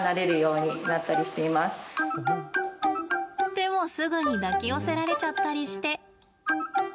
でも、すぐに抱き寄せられちゃったりして。